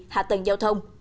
hạ tầng giao thông